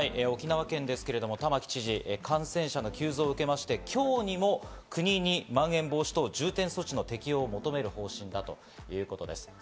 沖縄県ですけど玉城知事、感染者の急増を受けまして、今日にも国にまん延防止等重点措置の適用を求める方針だということです。